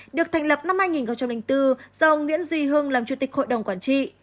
được thành lập năm hai nghìn bốn do ông nguyễn duy hưng làm chủ tịch hội đồng quản trị